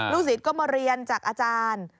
ศิษย์ก็มาเรียนจากอาจารย์